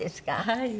はい。